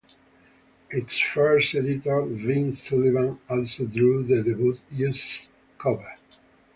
Its first editor, Vin Sullivan, also drew the debut issue's cover.